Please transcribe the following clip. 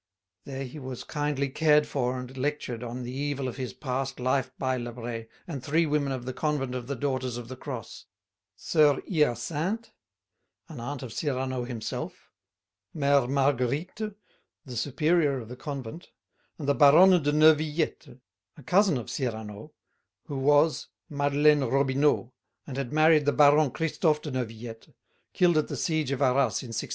There he was kindly cared for and lectured on the evil of his past life by Lebret and three women of the Convent of the Daughters of the Cross: Soeur Hyacinthe, an aunt of Cyrano himself; Mère Marguerite, the superior of the convent; and the Baronne de Neuvillette, a cousin of Cyrano, who was Madeleine Robineau, and had married the Baron Christophe de Neuvillette, killed at the siege of Arras in 1640.